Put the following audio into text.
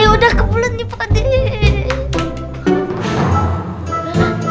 udah kebulet nih